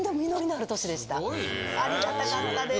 ありがたかったです。